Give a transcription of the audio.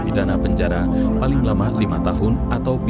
sementara ini kita tetap